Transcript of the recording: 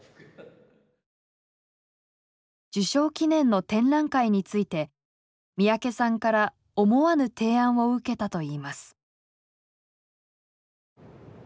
受賞記念の展覧会について三宅さんから思わぬ提案を受けたといいます。